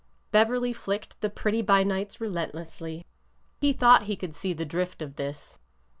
" Beverly flicked the pretty by nights relentlessly. He thought he could see the drift of this.